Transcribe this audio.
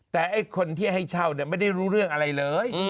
แต่ไอ้คนที่ให้เช่าไม่ได้รู้เรื่องอะไรเลย